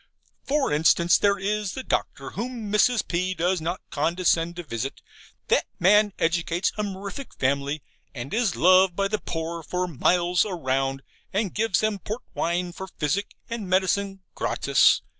For instance, there is the doctor, whom Mrs. P. does not condescend to visit: that man educates a mirific family, and is loved by the poor for miles round: and gives them port wine for physic and medicine, gratis.